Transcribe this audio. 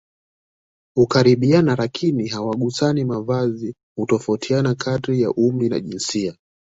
hukaribiana lakini hawagusani Mavazi hutofautiana kadiri ya umri na jinsia